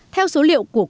theo số liệu của quốc gia